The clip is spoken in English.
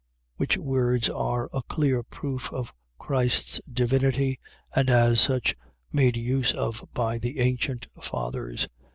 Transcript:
. .Which words are a clear proof of Christ's divinity, and as such made use of by the ancient fathers.